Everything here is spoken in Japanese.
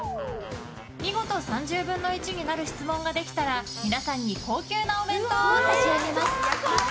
見事、３０分の１になる質問ができたら皆さんに高級なお弁当を差し上げます。